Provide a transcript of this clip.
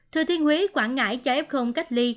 thừa thiên huế quảng ngãi cho f cách ly